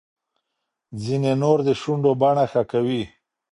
ځینې نور د شونډو بڼه ښه کوي.